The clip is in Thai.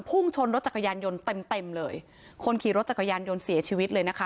พุ่งชนรถจักรยานยนต์เต็มเต็มเลยคนขี่รถจักรยานยนต์เสียชีวิตเลยนะคะ